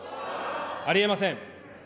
ありえません。